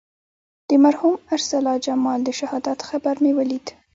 د مرحوم ارسلا جمال د شهادت خبر مې ولید.